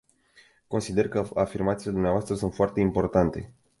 Consider că afirmațiile dvs. sunt foarte importante.